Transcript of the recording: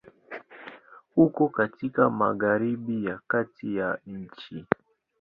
Uko katika Magharibi ya kati ya nchi.